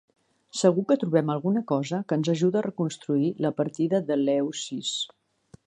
Segur que trobem alguna cosa que ens ajuda a reconstruir la partida d'Eleusis.